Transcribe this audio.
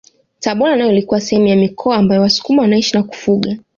Tabora nayo ilikuwa sehemu ya mikoa ambayo wasukuma wanaishi na kufuga